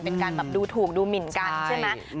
เป็นการแบบดูถูกดูหมินกันใช่ไหม